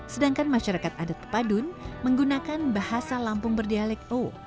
sedangkan masyarakat adat pepadun menggunakan bahasa lampung berdialek o